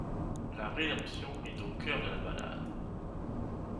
La rédemption est au cœur de la ballade.